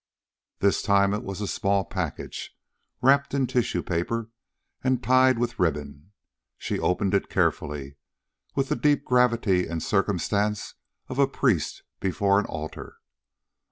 This time it was a small package, wrapped in tissue paper and tied with ribbon. She opened it carefully, with the deep gravity and circumstance of a priest before an altar.